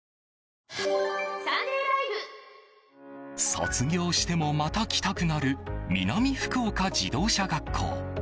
卒業しても、また来たくなる南福岡自動車学校。